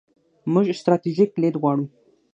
موږ ستراتیژیک لید غواړو.